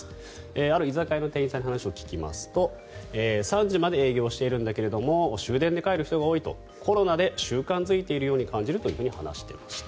ある居酒屋の店員さんに話を聞きますと３時まで営業しているんだけれど終電で帰る人が多いとコロナで習慣付いているように感じると話していました。